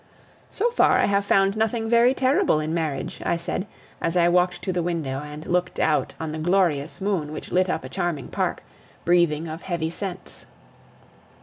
"So far, I have found nothing very terrible in marriage," I said, as I walked to the window and looked out on the glorious moon which lit up a charming park, breathing of heavy scents.